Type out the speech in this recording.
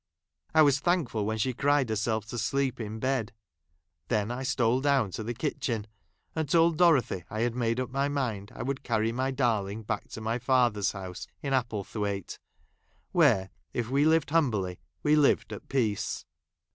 I was thankful when she cried herself to sleep in 1 bed. Then I stole down to the kitchen, and told Dorothy I had made up my mind. I I would carry my darling back to my father's house in Applethwaite ; where, if we lived humbly , we lived at peace.